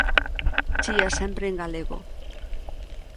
Chía sempre en galego.